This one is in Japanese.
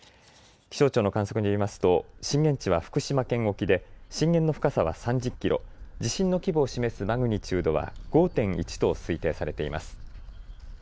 気象庁の観測によりますと震源地は福島県沖で震源の深さは３０キロ、地震の規模を示すマグニチュードは５．１と推定されています。